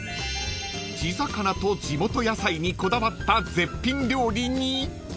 ［地魚と地元野菜にこだわった絶品料理に］